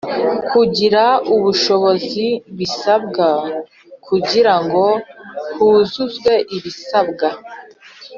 kugira ubushobozi bisabwa kugira ngo huzuzwe ibisabwa